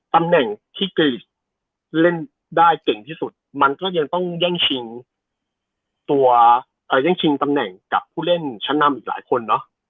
ตำแหน่งที่กรีชเล่นได้เก่งที่สุดมันก็ยังต้องแย่งชิงตัวแย่งชิงตำแหน่งกับผู้เล่นชั้นนำอีกหลายคนเนอะ